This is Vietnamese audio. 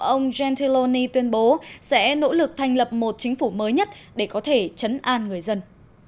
ông genteloni tuyên bố sẽ nỗ lực thành lập một chính phủ mới nhất để có thể chấn an người dân